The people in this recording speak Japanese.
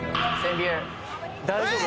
大丈夫？